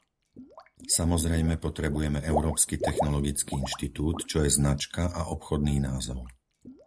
Samozrejme potrebujeme Európsky technologický inštitút, čo je značka a obchodný názov.